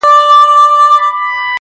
له بېلتونه به ژوندون راته سور اور سي -